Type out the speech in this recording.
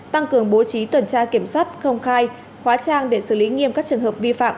tăng cường bố trí tuần tra kiểm soát công khai hóa trang để xử lý nghiêm các trường hợp vi phạm